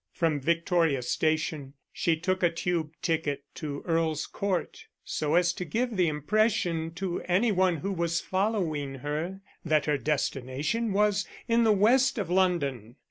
From Victoria Station she took a tube ticket to Earl's Court, so as to give the impression to any one who was following her that her destination was in the west of London.